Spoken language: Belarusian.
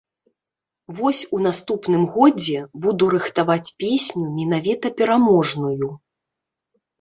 Вось у наступным годзе буду рыхтаваць песню менавіта пераможную.